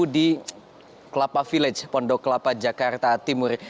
di kelapa village pondok kelapa jakarta timur